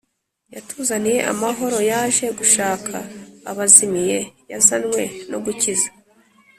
Yatuzaniye amahoro, Yaje gushak' abazimiye, Yazany we no gukiza.